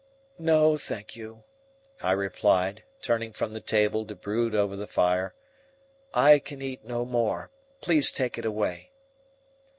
"No, thank you," I replied, turning from the table to brood over the fire. "I can eat no more. Please take it away."